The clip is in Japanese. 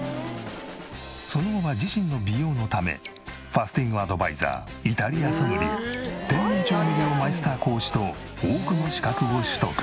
その後は自身の美容のためファスティングアドバイザーイタリアソムリエ天然調味料マイスター講師と多くの資格を取得。